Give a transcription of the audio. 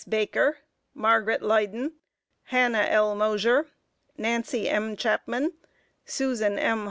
Baker, Margaret Leyden, Hannah L. Mosher, Nancy M. Chapman, Susan M.